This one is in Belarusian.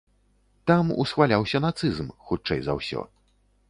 Там усхваляўся нацызм, хутчэй за ўсё.